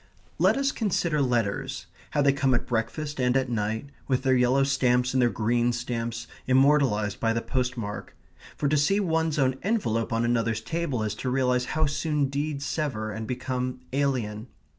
Let us consider letters how they come at breakfast, and at night, with their yellow stamps and their green stamps, immortalized by the postmark for to see one's own envelope on another's table is to realize how soon deeds sever and become alien.